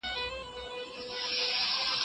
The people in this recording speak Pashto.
اله د ډیمورفوس سره ټکر کړه.